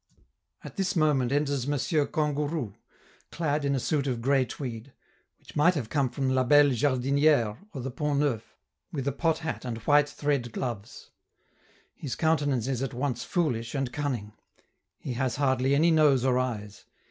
At this moment enters M. Kangourou, clad in a suit of gray tweed, which might have come from La Belle Jardiniere or the Pont Neuf, with a pot hat and white thread gloves. His countenance is at once foolish and cunning; he has hardly any nose or eyes.